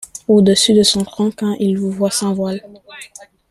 Au-dessus de son front quand il vous voit sans voiles